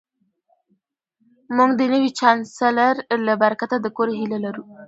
موږ د نوي چانسلر له برکته د کور هیله لرو